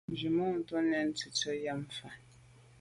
Nzwimàntô nèn ntse’te nyàm fa.